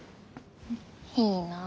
いいなぁ。